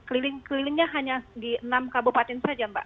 keliling kelilingnya hanya di enam kabupaten saja mbak